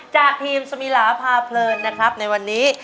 จากกีมสมีราภาเผลินในวันนี้